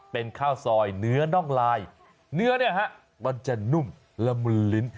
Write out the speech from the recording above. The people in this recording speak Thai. เป็นข้าวซอยเนื้อน่องลายเนื้อเนี่ยฮะมันจะนุ่มละมุนลิ้น